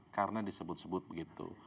karena disebut sebut begitu